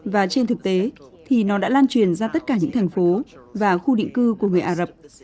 và trên thực tế thì nó đã lan truyền ra tất cả những thành phố và khu định cư của người ả rập